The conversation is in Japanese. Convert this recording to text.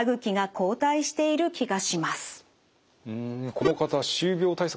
この方歯周病対策